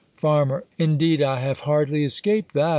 Farm, Indeed, I have hardly escaped that.